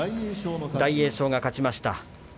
大栄翔が勝ちました。